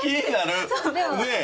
ねえ。